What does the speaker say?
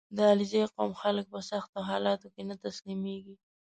• د علیزي قوم خلک په سختو حالاتو کې نه تسلیمېږي.